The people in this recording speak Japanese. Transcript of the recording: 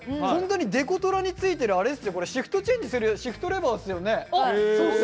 本当にデコトラについてるシフトチェンジするシフトレバーっすよね。